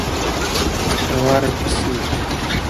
Xaora que si.